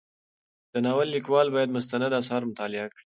د ناول لیکوال باید مستند اثار مطالعه کړي.